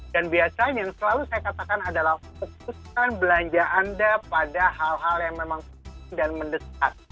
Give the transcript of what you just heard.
dan biasanya selalu saya katakan adalah fokuskan belanja anda pada hal hal yang memang penting dan mendesak